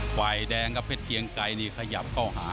ฝ่ายแดงกับเพชรเกียงไกรนี่ขยับเข้าหา